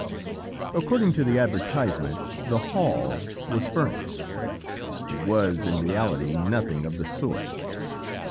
"According to the advertisement, 'The Hall' was furnished: it was, in reality, nothing of the sort.